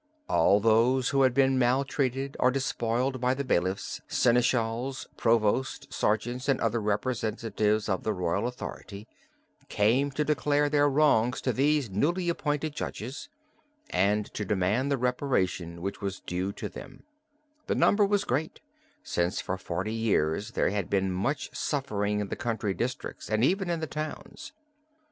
All those who had been maltreated or despoiled by the bailiffs, seneschals, provosts, sergeants, and other representatives of the royal authority, came to declare their wrongs to these newly appointed judges, and to demand the reparation which was due to them; the number was great, since for forty years there had been much suffering in the country districts and even in the towns